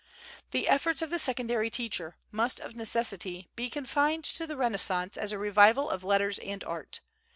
The efforts of the secondary teacher must of necessity be confined to the Renaissance as a revival of letters and art.